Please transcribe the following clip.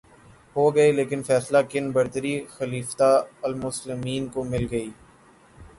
ہوگئے لیکن فیصلہ کن برتری خلیفتہ المسلمین کو مل گئ